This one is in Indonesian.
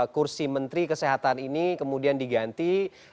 posisi atau kursi menteri kesehatan ini kemudian diganti